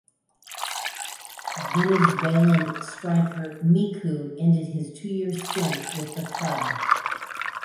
Venezuelan striker Miku ended his two year stint with the club.